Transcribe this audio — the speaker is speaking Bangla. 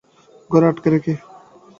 ঘরে আঁটকে রেখে?